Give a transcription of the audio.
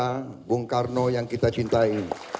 nama bung karno yang kita cintai